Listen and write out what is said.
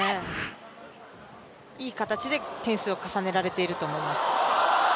いい形で点数を重ねられていると思います。